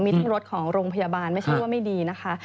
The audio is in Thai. มีทั้งรถของโรงพยาบาลไม่ใช่ว่าไม่ดีนะคะ